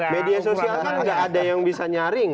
media sosial kan nggak ada yang bisa nyaring